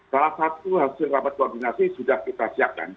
salah satu hasil rapat koordinasi sudah kita siapkan